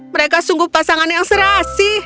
mereka sungguh pasangan yang serasi